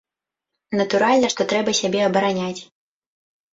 Натуральна, што трэба сябе абараняць.